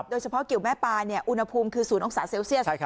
เกี่ยวแม่ปลาอุณหภูมิคือ๐องศาเซลเซียส